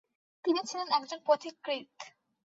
তিনি ছিলেন একজন পথিকৃৎ।